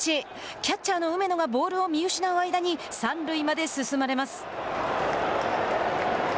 キャッチャーの梅野がボールを見失う間に三塁まで進まれます。